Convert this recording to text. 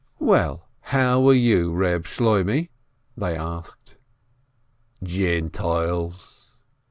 "Well, how are you, Eeb Shloimeh ?" they asked. "Gentiles!"